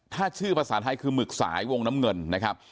ถ้าชื่อภาษาไทยคือหมึกสายวงน้ำเงินนะครับ